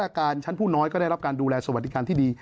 การชั้นผู้น้อยก็ได้รับการดูแลสวัสดิการที่ดี